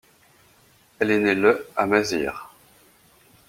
Elle est née le à Mazyr.